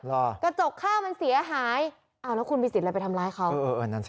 กระจกข้าวมันเสียหายอ้าวแล้วคุณมีสิทธิ์อะไรไปทำร้ายเขาเออเออนั่นสิ